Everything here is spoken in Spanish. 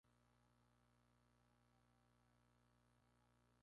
Se distribuye por Bolivia.